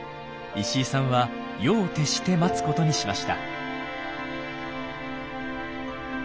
石井さんは夜を徹して待つことにしました。